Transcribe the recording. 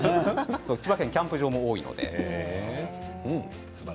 千葉県はキャンプ場も多いので。